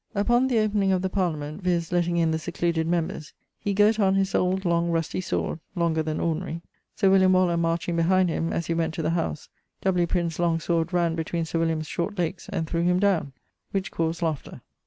..., upon the opening of the Parliament, viz. letting in the secluded members, he girt on his old long rustie sword (longer then ordinary). Sir William Waller marching behind him (as he went to the Howse), W. Prynne's long sword ranne between Sir William's short legges, and threw him downe, which caused laughter.